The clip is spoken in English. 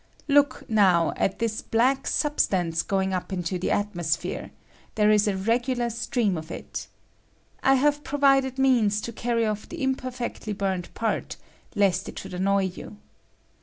Look, now, at this black substance ig up into the atmosphere ; there ia a regu of it. I have provided means to carry off the imperfectly burned part, lest it should annoy you.